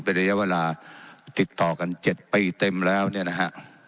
เป็นระยะเวลาติดต่อกัน๗ปีเต็มแล้วเนี่ยนะฮะ